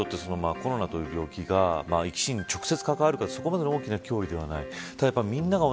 子どもたちにとってコロナという病気が生き死にに直接関わるかというとそこまでの大きな脅威ではない。